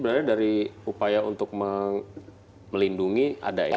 jadi sebenarnya dari upaya untuk melindungi ada ya